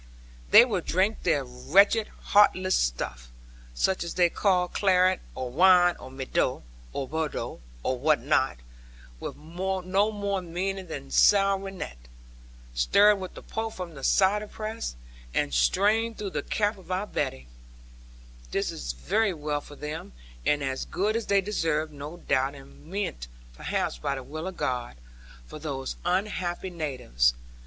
They will drink their wretched heartless stuff, such as they call claret, or wine of Medoc, or Bordeaux, or what not, with no more meaning than sour rennet, stirred with the pulp from the cider press, and strained through the cap of our Betty. This is very well for them; and as good as they deserve, no doubt, and meant perhaps by the will of God, for those unhappy natives.